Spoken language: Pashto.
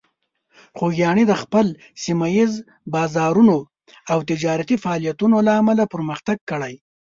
خوږیاڼي د خپل سیمه ییز بازارونو او تجارتي فعالیتونو له امله پرمختګ کړی.